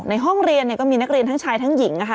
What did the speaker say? ในห้องเรียนก็มีนักเรียนทั้งชายทั้งหญิงนะคะ